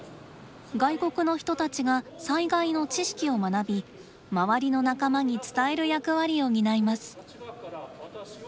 外国の人たちが災害の知識を学び周りの仲間に伝える役割を担います。